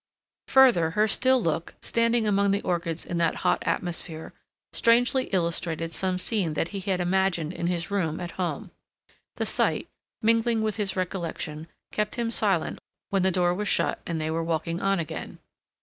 Further, her still look, standing among the orchids in that hot atmosphere, strangely illustrated some scene that he had imagined in his room at home. The sight, mingling with his recollection, kept him silent when the door was shut and they were walking on again.